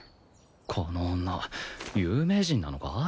この女有名人なのか？